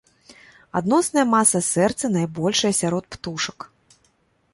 Адносная маса сэрца найбольшая сярод птушак.